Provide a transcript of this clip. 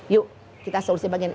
yuk kita solusi bagian